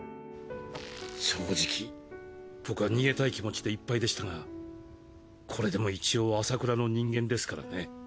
正直僕は逃げたい気持ちでいっぱいでしたがこれでも一応麻倉の人間ですからね。